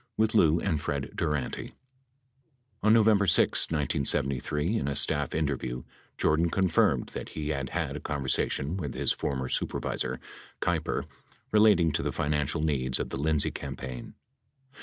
with Lou and Fred Durante. On November 6, 1973, in a staff interview, Jordan confirmed that he had had a conversation with his former supervisor, Keiper, relating to the financial needs of the Lindsay campaign.